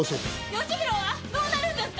吉宏はどうなるんですか！